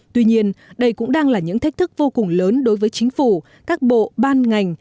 tuy nhiên đây cũng đang là những thách thức vô cùng lớn đối với chính phủ các bộ ban ngành